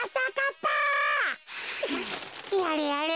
やれやれ。